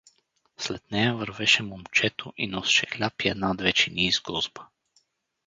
След нея вървеше момчето и носеше хляб и една-две чинии с гозба.